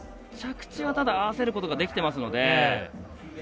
着地は、ただ合わせることはできてますので。